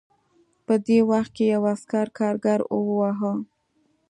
په دې وخت کې یو عسکر کارګر وواهه